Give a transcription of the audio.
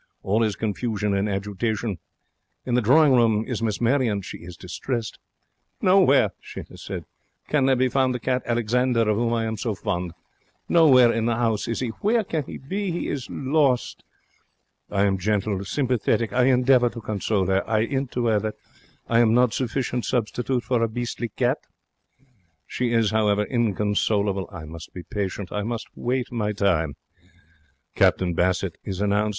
All is confusion and agitation. In the drawing room is Miss Marion. She is distressed. 'Nowhere,' she has said, 'can there be found the cat Alexander of whom I am so fond. Nowhere in the 'ouse is he, Where can he be? He is lost.' I am gentle, sympathetic. I endeavour to console her. I 'int to her that am I not sufficient substitute for a beastly cat? She is, however, inconsolable. I must be patient. I must wait my time. Captain Bassett is announced.